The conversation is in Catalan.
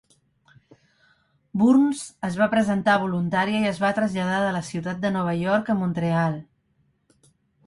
Burns es va presentar voluntària i es va traslladar de la ciutat de Nova York a Montreal.